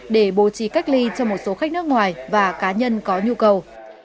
để bố trí cách ly cho một số khách nước ngoài và cá nhân có nhu cầu